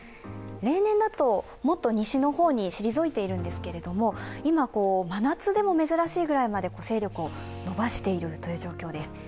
例年だともっと西の方に退いているんですけれども、今、真夏でも珍しいぐらいまで勢力を伸ばしているという状況です。